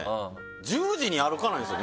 十字に歩かないんですよ